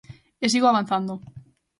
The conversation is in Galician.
E sigo avanzando.